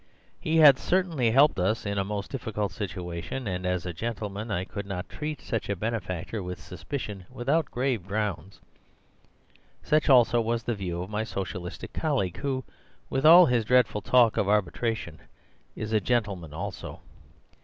He had certainly helped us in a most difficult situation, and, as a gentleman, I could not treat such a benefactor with suspicion without grave grounds. Such also was the view of my Socialistic colleague, who (with all his dreadful talk of arbitration) is a gentleman also.